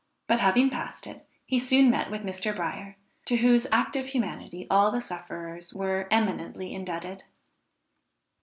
But having passed it he soon met with Mr. Bryer, to whose active humanity all the sufferers were eminently indebted.